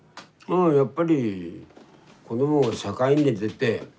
やっぱり子どもが社会に出て。